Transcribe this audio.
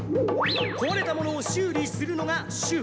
こわれたものを修理するのが修補。